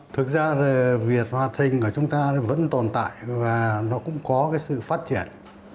thực ra việc hoạt hình của chúng ta vẫn tồn tại và nó cũng có sự phát triển